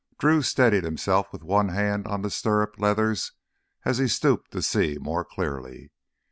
Drew steadied himself with one hand on the stirrup leathers as he stooped to see more clearly.